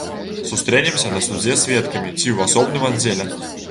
Сустрэнемся на судзе сведкамі ці ў асобным аддзеле.